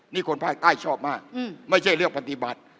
นี่คนภาคใต้ชอบมากไม่ใช่เรื่องปฏิบัติ